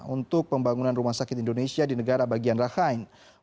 untuk pembangunan rumah sakit indonesia di negara bagian rakhine